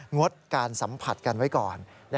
งดการสัมผัสกันไว้ก่อน